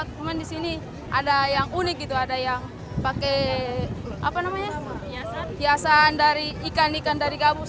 cuman di sini ada yang unik gitu ada yang pakai hiasan dari ikan ikan dari gabus